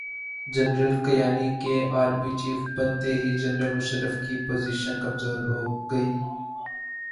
General Kayani کے army chief بنتے ہی جنرل مشرف کی پوزیشن کمزورہوگئی۔